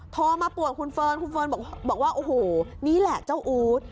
โทรมาป่วนคุณเฟิร์นคุณเฟิร์นบอกว่าโอ้โหนี่แหละเจ้าอู๊ด